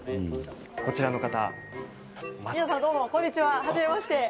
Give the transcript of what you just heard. こちらの方。